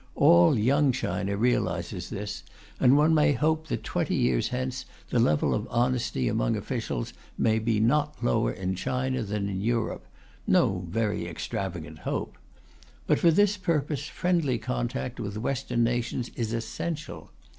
All Young China realizes this, and one may hope that twenty years hence the level of honesty among officials may be not lower in China than in Europe no very extravagant hope. But for this purpose friendly contact with Western nations is essential.